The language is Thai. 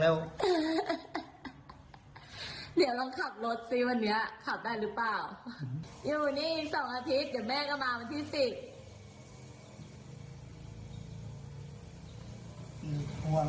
แล้วเราจะกลับอ่างทองแล้วภูมิไหมนะครับภูมิอะ